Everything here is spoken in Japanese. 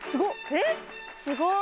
えっすごい！